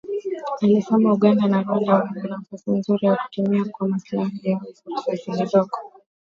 alisema Uganda na Rwanda wana nafasi nzuri ya kutumia kwa maslahi yao fursa zilizoko